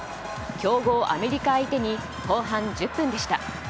強豪アメリカ相手に後半１０分でした。